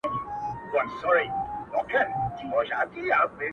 كله توري سي ـ